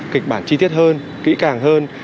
kịch bản chi tiết hơn kỹ càng hơn